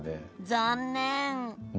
残念。